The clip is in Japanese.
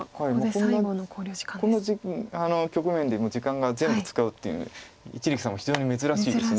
こんな局面で時間を全部使うという一力さんも非常に珍しいです。